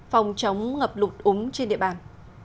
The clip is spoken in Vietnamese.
phòng chống ngập lụt úng trên địa bàn